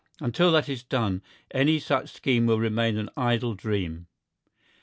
Until that is done any such scheme will remain an idle dream.